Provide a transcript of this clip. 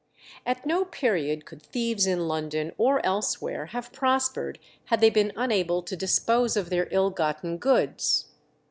At no period could thieves in London or elsewhere have prospered had they been unable to dispose of their ill gotten goods.